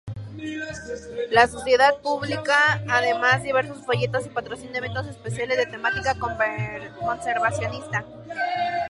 La sociedad publica además diversos folletos y patrocina eventos especiales de temática conservacionista.